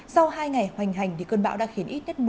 sau hai ngày hoành hành cơn bão đã khiến ít nhất